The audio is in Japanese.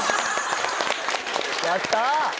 やった！